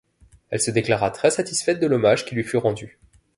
Elle se déclara très satisfaite de l'hommage qui lui fut rendu.